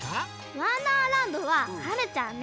「わんだーらんど」ははるちゃんね！